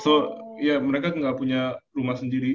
so ya mereka nggak punya rumah sendiri